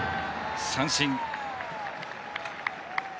三振。